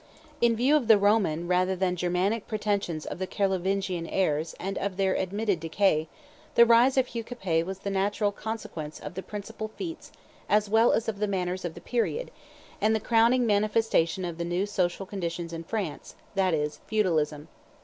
In view of the Roman rather than Germanic pretensions of the Carlovingian heirs and of their admitted decay, the rise of Hugh Capet was the natural consequence of the principal facts as well as of the manners of the period, and the crowning manifestation of the new social condition in France, that is, feudalism.